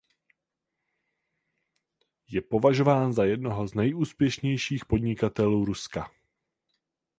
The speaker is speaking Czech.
Je považován za jednoho z nejúspěšnějších podnikatelů Ruska.